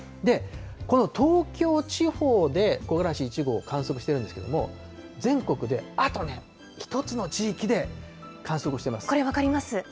この東京地方で木枯らし１号観測してるんですけれども、全国で、あと１つの地域で観測してます。